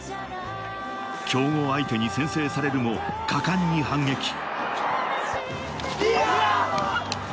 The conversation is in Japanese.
強豪相手に先制されるも、果敢に反撃。